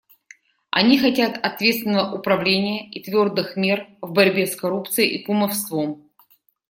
Они хотят ответственного управления и твердых мер в борьбе с коррупцией и кумовством.